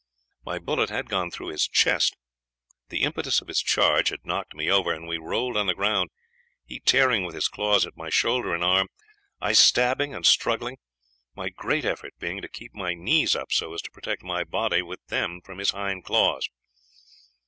My bullet had gone through his chest. The impetus of his charge had knocked me over, and we rolled on the ground, he tearing with his claws at my shoulder and arm, I stabbing and struggling; my great effort being to keep my knees up so as to protect my body with them from his hind claws.